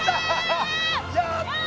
やった！